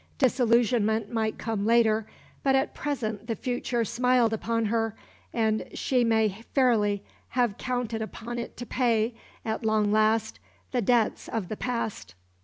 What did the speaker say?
Disillusionment might come later, but at present the future smiled upon her; and she may fairly have counted upon it to pay, at long last, the debts of the past.